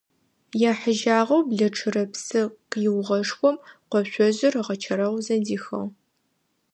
Ехьыжьагъэу блэчъырэ псы къиугъэшхом къошъожъыр ыгъэчэрэгъузэ дихыгъ.